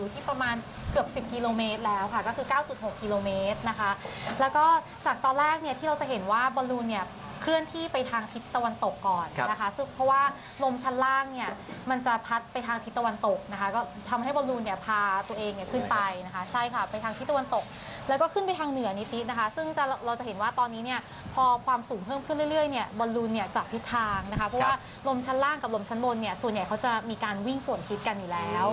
ที่ประมาณเกือบ๑๐กิโลเมตรแล้วค่ะก็คือ๙๖กิโลเมตรนะคะแล้วก็จากตอนแรกเนี่ยที่เราจะเห็นว่าวรุณเนี่ยเคลื่อนที่ไปทางทิศตะวันตกก่อนนะคะเพราะว่าลมชั้นล่างเนี่ยมันจะพัดไปทางทิศตะวันตกนะคะก็ทำให้วรุณเนี่ยพาตัวเองขึ้นไปนะคะใช่ค่ะไปทางทิศตะวันตกแล้วก็ขึ้นไปทางเหนือนิตินะคะซึ่งเราจะเห็นว่าตอนนี้